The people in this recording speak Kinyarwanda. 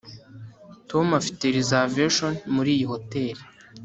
tom afite reservation muri iyi hoteri